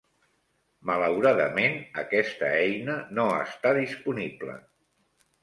Malauradament, aquesta eina no està disponible.